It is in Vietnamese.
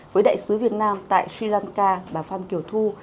với đại sứ việt nam tại sri lanka bà phan kiều thu